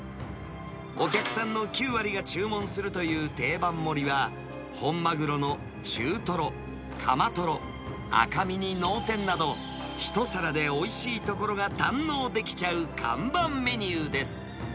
お客さんの９割が注文するという定番盛りは、本マグロの中トロ、カマトロ、赤身に脳天など、一皿でおいしいところが堪能できちゃう看板メニューです。